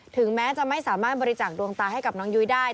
ถึงแม้จะไม่สามารถบริจาคดวงตาให้กับน้องยุ้ยได้